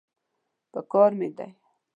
پکار مې دی.